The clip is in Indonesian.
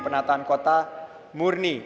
penataan kota murni